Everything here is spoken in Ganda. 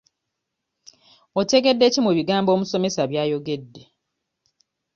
Otegedde ki mu bigambo omusomesa by'ayogedde?